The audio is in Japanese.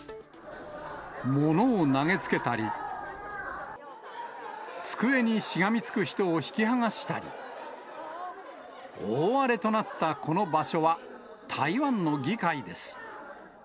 物を投げつけたり、机にしがみつく人を引き剥がしたり、大荒れとなったこの場所は台湾の議会です。